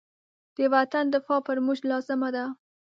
د وطن دفاع پر موږ لازمه ده.